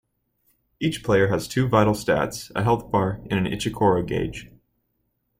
Each player has two vital stats, a health bar and an Ichikoro Gauge.